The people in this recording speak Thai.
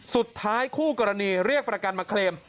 คู่กรณีเรียกประกันมาเคลม